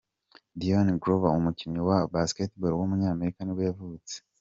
Dion Glover, umukinnyi wa basketball w’umunyamerika nibwo yavutse.